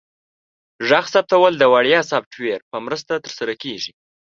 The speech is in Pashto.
غږ ثبتول د وړیا سافټویر په مرسته ترسره کیږي.